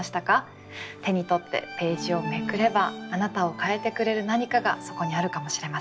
手に取ってページをめくればあなたを変えてくれる何かがそこにあるかもしれません。